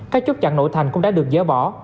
các chốt chặn nội thành cũng đã được dỡ bỏ